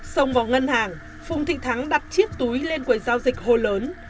xông vào ngân hàng phùng thị thắng đặt chiếc túi lên quầy giao dịch hô lớn